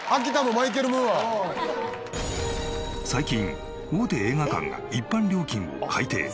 最近大手映画館が一般料金を改定。